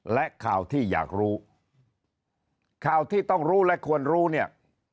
และข่าวที่อยากรู้ข่าวที่ต้องรู้และควรรู้เนี่ย